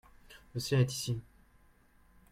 le sien est ici.